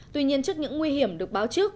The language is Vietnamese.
tuy nhiên trước những nguy hiểm được báo trước